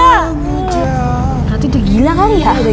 berarti udah gila kan ya